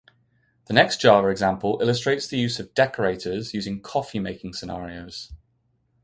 The next Java example illustrates the use of decorators using coffee making scenario.